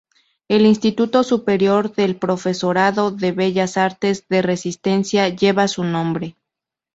El Instituto Superior del Profesorado de Bellas Artes de Resistencia lleva su nombre.